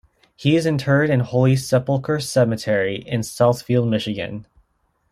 He is interred in Holy Sepulchre Cemetery in Southfield, Michigan.